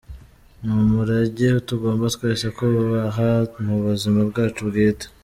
Ni umurage tugomba twese kubaha mu buzima bwacu bwite.